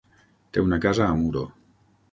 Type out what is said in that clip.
Té una casa a Muro.